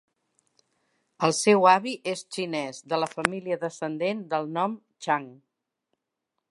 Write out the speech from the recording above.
El seu avi és xinés, de la família descendent del nom Chang.